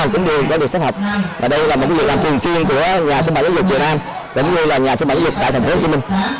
cũng như là nhà sư phạm giáo dục tại tp hcm